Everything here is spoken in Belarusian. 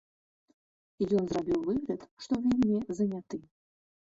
Ён зрабіў выгляд, што вельмі заняты.